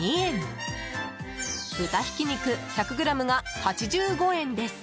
豚挽き肉１００ｇが８５円です。